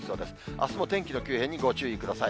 あすも天気の急変にご注意ください。